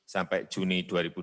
sampai juni dua ribu dua puluh